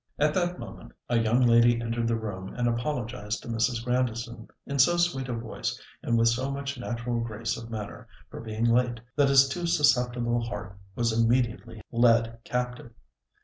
At that moment a young lady entered the room and apologised to Mrs. Grandison in so sweet a voice, and with so much natural grace of manner, for being late that his too susceptible heart was immediately led captive.